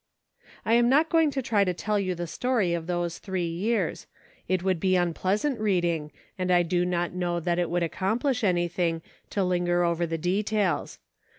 I am not going to try to tell you the story of those three years ; it would be unpleasant reading and I do not know that it would accomplish any thing to linger over the details.